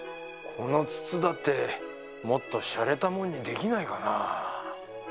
この筒だってもっとシャレたもんにできないかなあ。